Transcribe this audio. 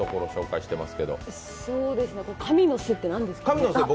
神の酢って何ですか？